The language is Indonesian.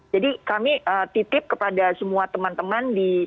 jadi kami titip kepada semua teman teman di